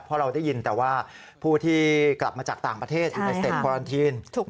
เพราะเราได้ยินแต่ว่าผู้ที่กลับมาจากต่างประเทศอยู่ในเต็ดคอรันทีน